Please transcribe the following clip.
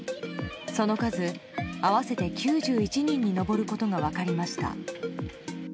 その数合わせて９１人に上ることが分かりました。